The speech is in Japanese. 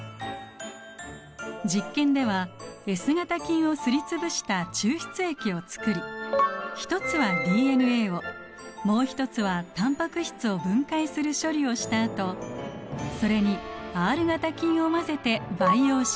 実験ではＳ型菌をすりつぶした抽出液をつくり一つはＤＮＡをもう一つはタンパク質を分解する処理をしたあとそれにＲ型菌を混ぜて培養しました。